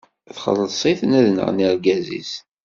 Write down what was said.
Txelleṣ-iten ad nɣen argaz-is.